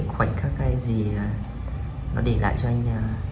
khoảnh khắc hay gì nó để lại cho anh